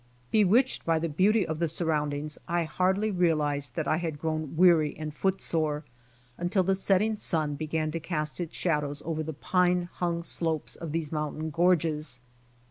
Bewitched by the beauty of the surroundings I hardly realized that I had grown weary and footsore, until the setting sun began to cast its shadows over the pine hung slopes of these mountain gorges.